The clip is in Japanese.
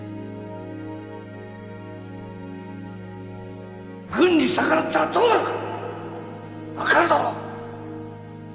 回想軍に逆らったらどうなるか分かるだろう。